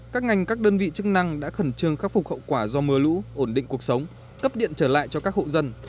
các ngành các đơn vị chức năng đã khẩn trương khắc phục hậu quả do mưa lũ ổn định cuộc sống cấp điện trở lại cho các hộ dân